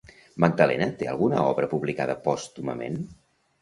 Magdalena té alguna obra publicada pòstumament?